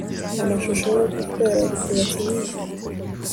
amashusho yo guswera igituba kinini